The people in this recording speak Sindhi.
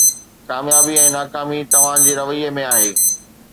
ڪاميابي ۽ ناڪامي توهان جي رويي ۾ آهي